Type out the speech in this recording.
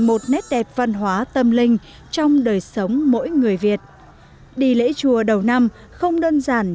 một nét đẹp văn hóa tâm linh trong đời sống mỗi người việt đi lễ chùa đầu năm không đơn giản